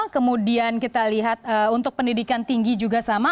kemudian kita lihat untuk pendidikan tinggi juga sama